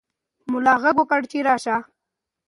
ملا غږ وکړ چې راشه.